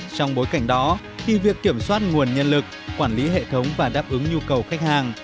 trong bối cảnh đó thì việc kiểm soát nguồn nhân lực quản lý hệ thống và đáp ứng nhu cầu khách hàng